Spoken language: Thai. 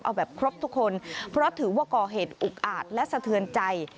เอาแบบครบทุกคนเพราะถือว่าก่อเหตุอุกอาจและสะเทือนใจ